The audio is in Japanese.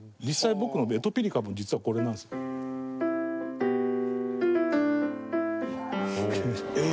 実際、僕の『エトピリカ』も実は、これなんですよ。